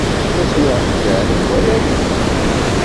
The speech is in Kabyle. Taswiɛt kan, iwala-iyi-d.